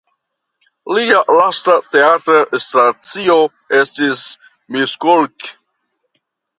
Lia lasta teatra stacio estis Miskolc.